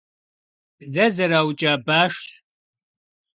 Блэ зэраукӀа башщ.